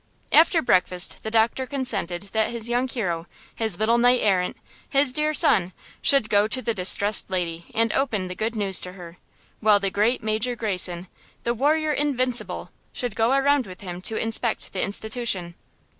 After breakfast the doctor consented that his young hero, his little knight errant, his dear son, should go to the distressed lady and open the good news to her, while the great Major Greyson, the warrior invincible, should go around with himself to inspect the institution.